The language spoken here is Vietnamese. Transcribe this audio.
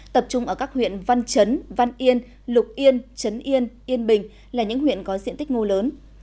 tập trung ở các huyện văn chấn văn yên lục yên trấn yên yên bình là những huyện có diện tích ngô lớn